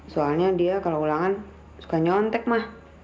soalnya dia kalau ulangan suka nyontek mah